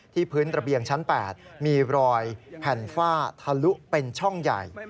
พื้นระเบียงชั้น๘มีรอยแผ่นฝ้าทะลุเป็นช่องใหญ่